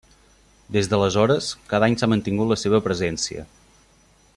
Des d’aleshores, cada any s’ha mantingut la seva presència.